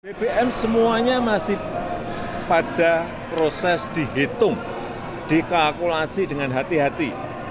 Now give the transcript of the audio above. bbm semuanya masih pada proses dihitung dikalkulasi dengan hati hati